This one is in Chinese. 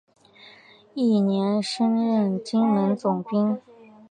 翌年升任金门总兵。